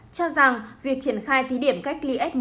cho rằng việc triển khai thí điểm cách ly f một